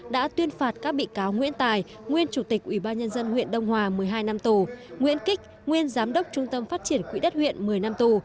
đã tuyên phạt các bị cáo nguyễn tài nguyên chủ tịch ubnd huyện đông hòa một mươi hai năm tù nguyễn kích nguyên giám đốc trung tâm phát triển quỹ đất huyện một mươi năm tù